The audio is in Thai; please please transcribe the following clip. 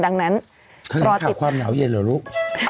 แถลงข่าวความหนาวเย็นเหรอลูก